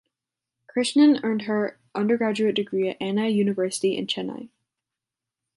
Krishnan earned her undergraduate degree at Anna University in Chennai.